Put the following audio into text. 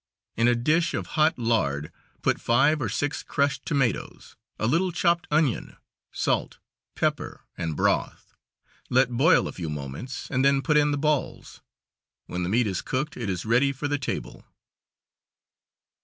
In a dish of hot lard put five or six crushed tomatoes, a little chopped onion, salt, pepper, and broth. Let boil a few moments, and then put in the balls. When the meat is cooked it is ready for the table.